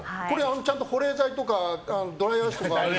ちゃんと保冷剤とかドライアイスとか。